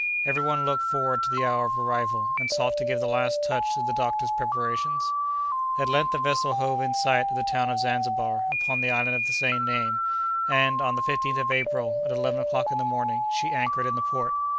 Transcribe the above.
Every one looked forward to the hour of arrival, and sought to give the last touch to the doctor's preparations. At length the vessel hove in sight of the town of Zanzibar, upon the island of the same name, and, on the 15th of April, at 11 o'clock in the morning, she anchored in the port.